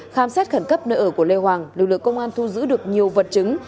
khám xét khẩn cấp nơi ở của lê hoàng lực lượng công an thu giữ được nhiều vật chứng